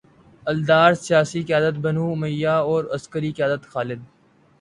الدار، سیاسی قیادت بنو امیہ اور عسکری قیادت خالد